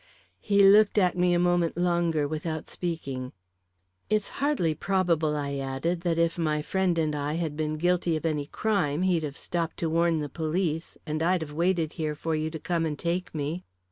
He looked at me a moment longer without speaking. "It's hardly probable," I added, "that if my friend and I had been guilty of any crime, he'd have stopped to warn the police, and I'd have waited here for you to come and take me."